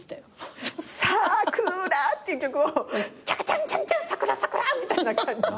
「さくら」っていう曲を「チャカチャンチャンチャン桜桜」みたいな感じで。